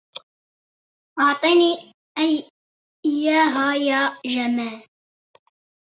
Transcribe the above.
أعطِني إيّاه يا جمال.